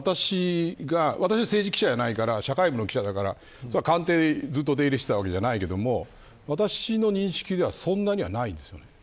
私は政治記者じゃなくて社会部の記者だから官邸にずっと出入りしていたわけじゃないけど私の認識ではそんなにはないです。